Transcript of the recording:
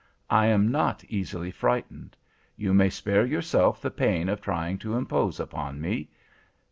I am not easily frightened. You may spare yourself the pain of trying to impose upon me.